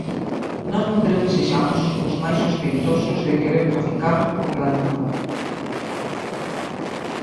Nós non creo que sexamos os máis sospeitosos de querer traficar co planeta.